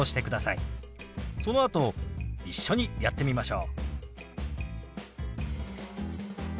そのあと一緒にやってみましょう。